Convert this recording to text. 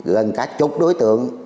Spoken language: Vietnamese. gần cả chục đối tượng